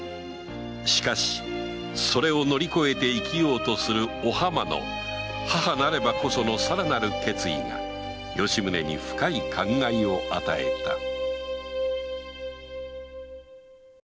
しかしそれを乗りこえて生きようとするお浜の母なればこそのさらなる決意が吉宗に深い感慨を与えた